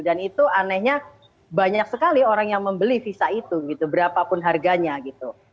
dan itu anehnya banyak sekali orang yang membeli visa itu gitu berapapun harganya gitu